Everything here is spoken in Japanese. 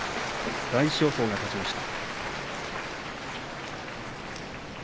大翔鵬が勝ちました。